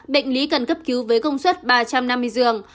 bệnh lý cần cấp cứu với công suất ba trăm năm mươi giường